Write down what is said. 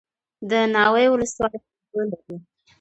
د ناوې ولسوالۍ اوبه لري